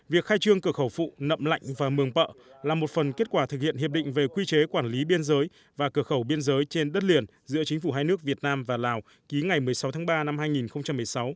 việc khai trương cửa khẩu phụ nậm lạnh và mường bợ là một phần kết quả thực hiện hiệp định về quy chế quản lý biên giới và cửa khẩu biên giới trên đất liền giữa chính phủ hai nước việt nam và lào ký ngày một mươi sáu tháng ba năm hai nghìn một mươi sáu